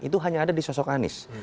itu hanya ada di sosok anies